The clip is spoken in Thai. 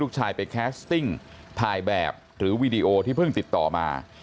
ลูกชายไปแคสติ้งถ่ายแบบหรือวีดีโอที่เพิ่งติดต่อมา